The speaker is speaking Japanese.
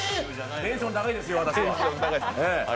テンション高いですよ、私は。